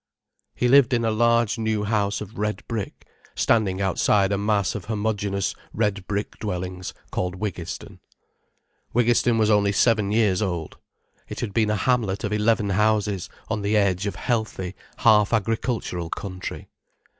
He lived in a large new house of red brick, standing outside a mass of homogeneous red brick dwellings, called Wiggiston. Wiggiston was only seven years old. It had been a hamlet of eleven houses on the edge of healthy, half agricultural country.